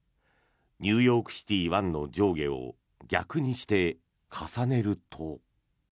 「ニューヨークシティ１」の上下を逆にして重ねると。